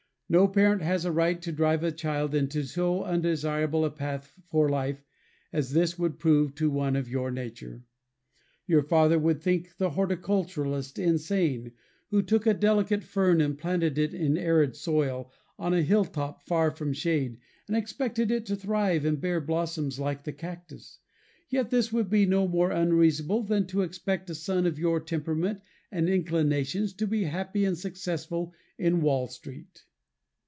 No parent has a right to drive a child into so undesirable a path for life as this would prove to one of your nature. Your father would think the horticulturist insane, who took a delicate fern and planted it in arid soil, on a hilltop, far from shade, and expected it to thrive and bear blossoms like the cactus. Yet this would be no more unreasonable, than to expect a son of your temperament and inclinations to be happy and successful in Wall Street.